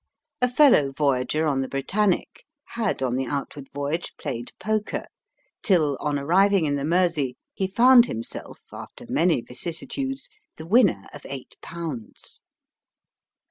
A fellow voyager on the Britannic had on the outward voyage played poker till, on arriving in the Mersey, he found himself, after many vicissitudes, the winner of eight pounds.